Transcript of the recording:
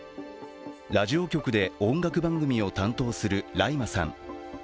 ラジオ局で音楽番組を担当するライマさん。